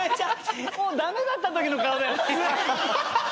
もう駄目だったときの顔だよ。